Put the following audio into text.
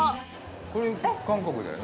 これ韓国だよね。